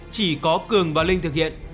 chỉ có cường và linh thực hiện